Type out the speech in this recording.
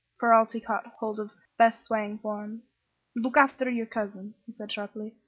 Ferralti caught hold of Beth's swaying form. "Look after your cousin," he said, sharply.